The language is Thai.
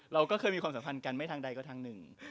เราก็เคยมีความสัมพันธ์กันไม่ทางใดก็ทางหนึ่ง